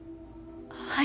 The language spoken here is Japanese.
はい。